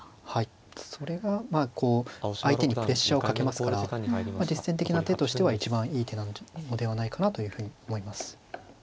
それがまあこう相手にプレッシャーをかけますから実戦的な手としては一番いい手なのではないかなというふうに思います。